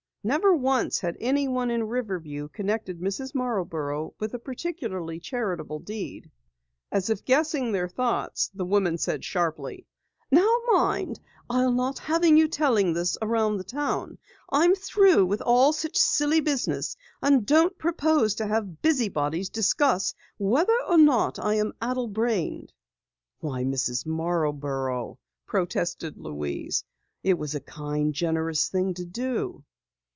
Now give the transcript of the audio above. Never once had anyone in Riverview connected Mrs. Marborough with a particularly charitable deed. As if guessing their thoughts, the woman said sharply: "Now mind, I'll not have you telling this around the town! I'm through with all such silly business, and I don't propose to have busybodies discuss whether or not I am addle brained!" "Why, Mrs. Marborough!" protested Louise. "It was a kind, generous thing to do."